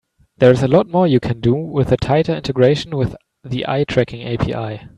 There's a lot more you can do with a tighter integration with the eye tracking API.